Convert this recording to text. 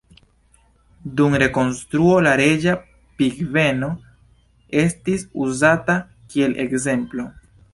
Dum rekonstruo la reĝa pingveno estis uzata kiel ekzemplo.